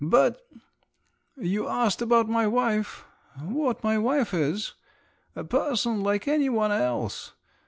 But … you asked about my wife? What my wife is? A person like any one else.